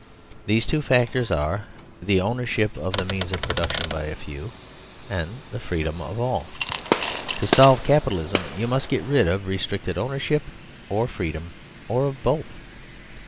These two factors are (i) The owner ship of the means of Production by a few ; (2) The Freedom of all. To solve Capitalism you must get rid of restricted ownership, or of freedom, or of both.